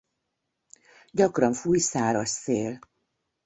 Gyakran fúj száraz szél.